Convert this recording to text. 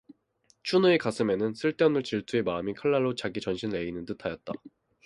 춘우의 가슴에서는 쓸데없는 질투의 마음이 칼날로 자기 전신을 에이는 듯 하였다.